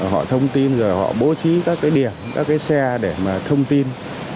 họ thông tin rồi họ bố trí các cái điểm các cái xe để mà thông tin